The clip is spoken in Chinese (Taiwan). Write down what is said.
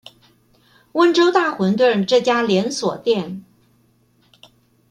溫州大混飩這家連鎖店